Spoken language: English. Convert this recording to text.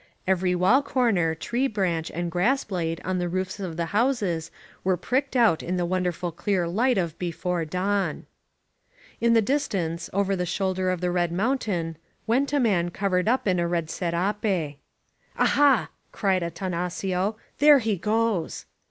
Every wall corner, tree branch and grass blade on the roofs of the houses were pricked out in the wonderful clear light of before dawn. In tfie distance, over the shoulder of the red moun tain, went a man covered up in a red serape. "Aha !" cried Atanacio. "There he goes !"